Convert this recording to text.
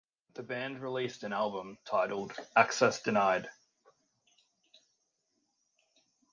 The band released an album titled "Access Denied".